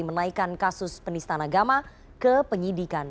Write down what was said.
menaikkan kasus penistaan agama ke penyidikan